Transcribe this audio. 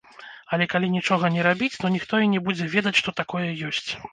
Але калі нічога не рабіць, то ніхто і не будзе ведаць, што такое ёсць.